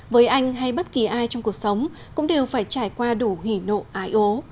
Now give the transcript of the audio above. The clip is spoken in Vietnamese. với anh hay bất kỳ ai trong cuộc sống cũng đều phải trải qua đủ hỉ nộ ái ố